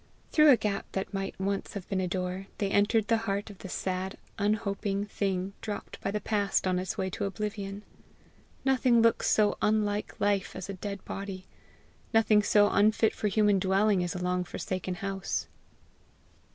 Through a gap that might once have been a door, they entered the heart of the sad unhoping thing dropt by the Past on its way to oblivion: nothing looks so unlike life as a dead body, nothing so unfit for human dwelling as a long forsaken house.